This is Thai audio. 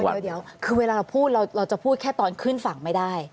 เพราะเดี๋ยวเวลาพูดเราจะพูดแค่ตอนขึ้นฝั่งไม่ได้